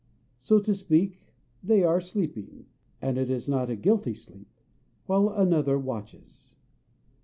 So to speak, they are sleeping and it is not a guilty sleep while another watches.